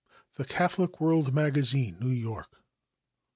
The Catholic World Magazine, New York.